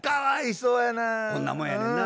そんなもんやねんな。